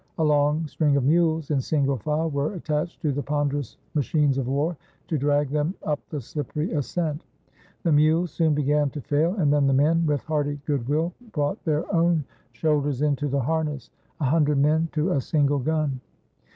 A long string of mules, in single file, were attached to the ponderous machines of war, to drag them up the slippery ascent. The mules soon began to fail, and then the men, with hearty good will, brought 1 20 WHEN NAPOLEON CROSSED THE ALPS their own shoulders into the harness — a hundred men to a single gun.